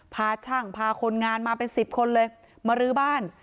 พาช่างพาคนงานมาเป็น๑๐คนเลยมารื้อบ้าน